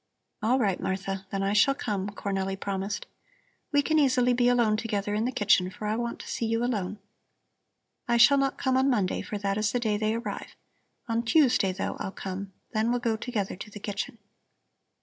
"All right, Martha, then I shall come," Cornelli promised. "We can easily be alone together in the kitchen, for I want to see you alone. I shall not come on Monday, for that is the day they arrive. On Tuesday, though, I'll come. Then we'll go together to the kitchen."